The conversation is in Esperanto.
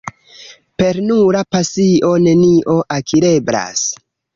Per nura pasio nenio akireblas.